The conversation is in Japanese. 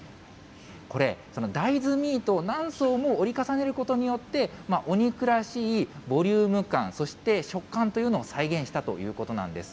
これ、大豆ミートを何層も折り重ねることによって、お肉らしいボリューム感、そして食感というのを再現したということなんです。